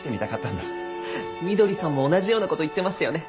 翠さんも同じような事言ってましたよね。